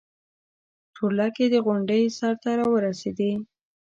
چورلکې د غونډۍ سر ته راورسېدې.